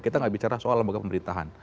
kita nggak bicara soal lembaga pemerintahan